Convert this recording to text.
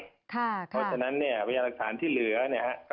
เพราะฉะนั้นวิญญาณรักษานที่เหลือก็คงเป็นเรื่องความชัดเจน